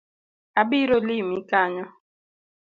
Abiro limi kanyo